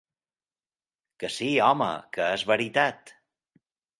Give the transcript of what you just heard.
Que sí, home, que és veritat.